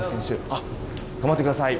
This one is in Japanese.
頑張ってください。